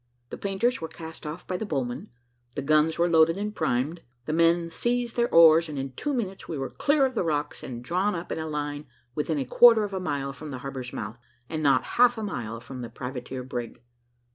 The painters were cast off by the bowmen, the guns were loaded and primed, the men seized their oars, and in two minutes we were clear of the rocks, and drawn up in a line within a quarter of a mile from the harbour's mouth, and not half a mile from the privateer brig.